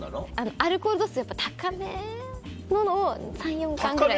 アルコール度数高めのを３４缶ぐらい。